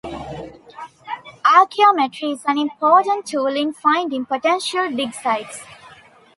Archaeometry is an important tool in finding potential dig sites.